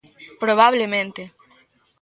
Probablemente.